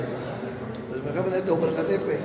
terus mereka menandatangani dober ktp